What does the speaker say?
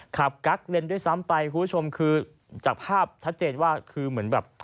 กั๊กเลนด้วยซ้ำไปคุณผู้ชมคือจากภาพชัดเจนว่าคือเหมือนแบบ